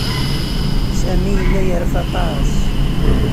Sami yella yerfa aṭas.